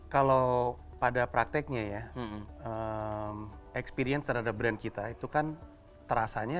kalau pada prakteknya ya experience terhadap brand kita itu kan terasanya